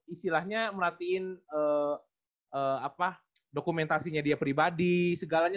istilahnya merhatiin dokumentasinya dia pribadi segalanya